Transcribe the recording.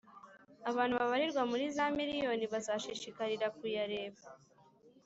abantu babarirwa muri za miriyoni bazashishikarira kuyareba